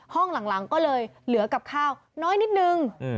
ห้องหลังก็เลยเหลือกับข้าวน้อยนิดนึง